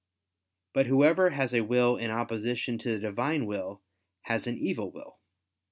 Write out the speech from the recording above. But whoever has a will in opposition to the Divine will, has an evil will.